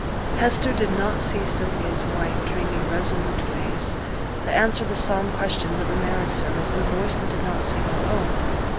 Hester did not see Sylvia's white, dreamy, resolute face, that answered the solemn questions of the marriage service in a voice that did not seem her own.